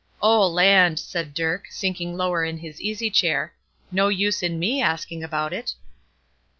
"Oh, land!" said Dirk, sinking lower in his easy chair. "No use in me asking about it."